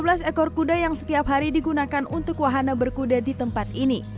dua belas ekor kuda yang setiap hari digunakan untuk wahana berkuda di tempat ini